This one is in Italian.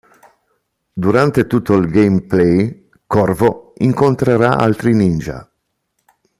Durante tutto il gameplay, Corvo incontrerà altri ninja.